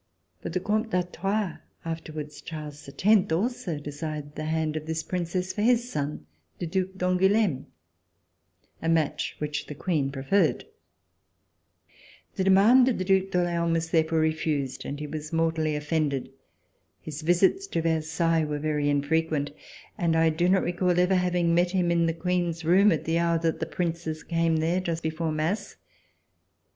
But the Comte d'Artois, afterwards Charles X, also desired the hand of this Princess for his son, the Due d'Angouleme, a match which the Queen pre ferred. The demand of the Due d'Orleans was there fore refused, and he was mortally offended. His visits to Versailles were very infrequent, and I do not recall ever having met him in the Queen's room at the hour that the Princes came there just before the mass.